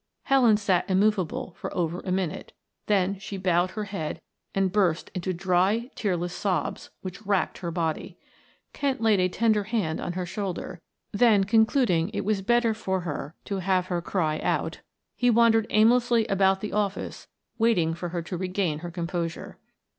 Helen sat immovable for over a minute, then she bowed her head and burst into dry tearless sobs which wracked her body. Kent laid a tender hand on her shoulder, then concluding it was better for her to have her cry out, he wandered aimlessly about the office waiting for her to regain her composure.